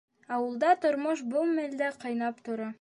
Ауылда тормош был мәлдә ҡайнап тора.